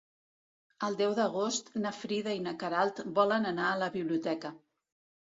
El deu d'agost na Frida i na Queralt volen anar a la biblioteca.